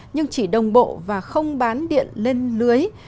nhưng chỉ đồng bộ và không bán điện lên lưới